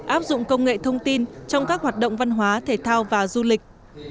áp dụng công nghệ thông tin trong các hoạt động văn hóa thể thao và du lịch